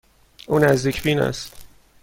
او نزدیک بین است.